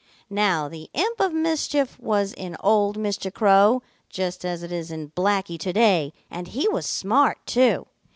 "Now the imp of mischief was in old Mr. Crow, just as it is in Blacky to day, and he was smart too.